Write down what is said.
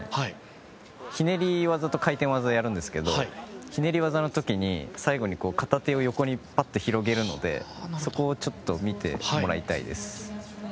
ひねり技と回転技をやるんですけどひねり技の時に最後に片手を横にぱっと広げるのでそこを見てもらいたいです。